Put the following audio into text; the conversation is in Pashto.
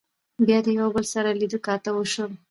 بيا د يو بل سره لیدۀ کاتۀ وشول